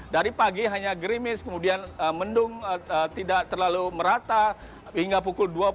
dari pagi hanya grimis kemudian mendung tidak terlalu merata hingga pukul dua puluh